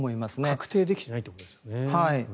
確定できていないということですよね。